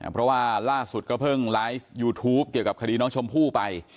เพราะว่าล่าสุดก็เพิ่งไลฟ์ยูทูปเกี่ยวกับคดีน้องชมพู่ไป